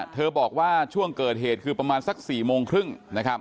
บอกว่าช่วงเกิดเหตุคือประมาณสัก๔โมงครึ่งนะครับ